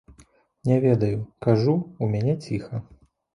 Не ведаю, кажу, у мяне ціха.